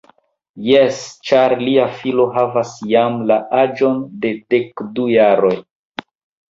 Jes, ĉar lia filo havas jam la aĝon de dekdu jaroj.